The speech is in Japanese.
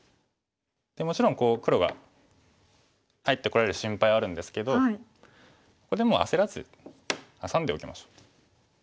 もちろん黒が入ってこられる心配はあるんですけどここでも焦らずハサんでおきましょう。